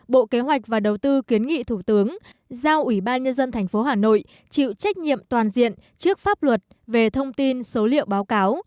bộ kế hoạch và đầu tư kiến nghị thủ tướng giao ủy ban nhân dân tp hà nội chịu trách nhiệm toàn diện trước pháp luật về thông tin số liệu báo cáo